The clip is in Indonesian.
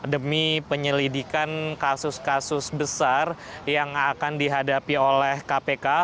demi penyelidikan kasus kasus besar yang akan dihadapi oleh kpk